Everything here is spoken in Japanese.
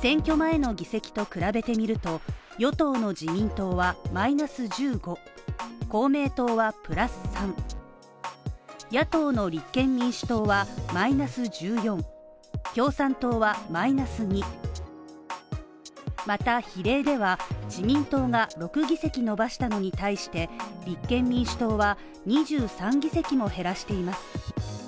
選挙前の議席と比べてみると、与党の自民党はマイナス１５公明党はプラス３野党の立憲民主党はマイナス１４、共産党はマイナス２また比例では、自民党が６議席伸ばしたのに対して立憲民主党は、２３議席も減らしています。